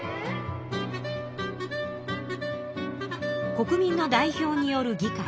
国民の代表による議会